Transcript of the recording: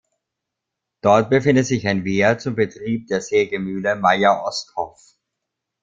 Dort befindet sich ein Wehr zum Betrieb der Sägemühle Meier-Osthoff.